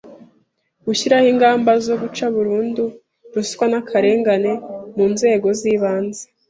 Gushyiraho ingamba zo guca burundu ruswa n akarengane mu nzego z ibanze